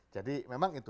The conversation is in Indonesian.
jadi memang itu